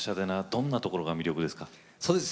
どんなところが魅力ですか？